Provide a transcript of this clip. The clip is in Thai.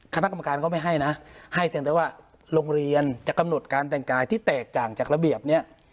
คณะกรรมการเขาไม่ให้นะให้เพียงแต่ว่าโรงเรียนจะกำหนดการแต่งกายที่แตกต่างจากระเบียบเนี่ย